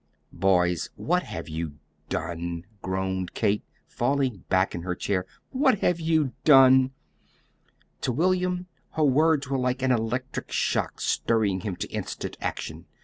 "Boys, what have you done!" groaned Kate, falling back in her chair. "What have you done!" To William her words were like an electric shock stirring him to instant action.